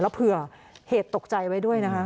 แล้วเผื่อเหตุตกใจไว้ด้วยนะคะ